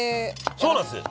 そうなんです！